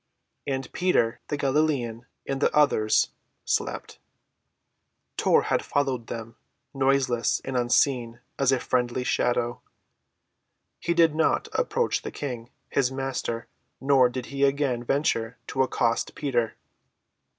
And Peter, the Galilean, and the others—slept. Tor had followed them, noiseless and unseen as a friendly shadow. He did not approach the King, his Master, nor did he again venture to accost Peter.